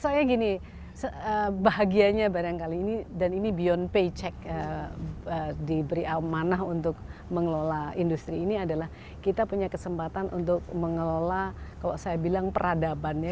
soalnya gini bahagianya barangkali ini dan ini beyond pay check diberi amanah untuk mengelola industri ini adalah kita punya kesempatan untuk mengelola kalau saya bilang peradabannya